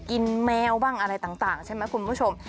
แมวบ้างอะไรต่างใช่ไหมคุณผู้ชม